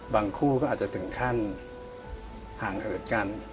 คู่ก็อาจจะถึงขั้นห่างเหินกัน